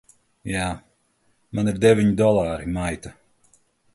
Jā. Man ir deviņi dolāri, maita!